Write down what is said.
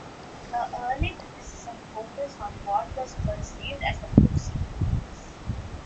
The early criticism focused on what was perceived as the book's crudeness.